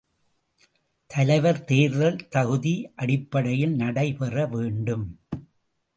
தலைவர் தேர்தல் தகுதி அடிப்படையில் நடைபெற வேண்டும்.